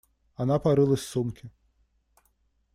Она порылась в сумке.